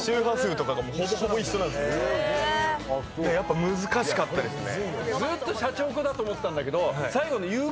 やっぱ難しかったですね。